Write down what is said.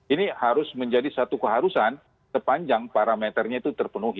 ini harus menjadi satu keharusan sepanjang parameternya itu terpenuhi